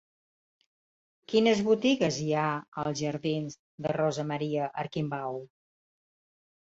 Quines botigues hi ha als jardins de Rosa Maria Arquimbau?